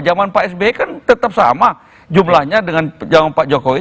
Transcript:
zaman pak sby kan tetap sama jumlahnya dengan zaman pak jokowi